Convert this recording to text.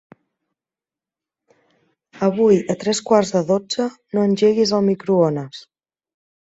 Avui a tres quarts de dotze no engeguis el microones.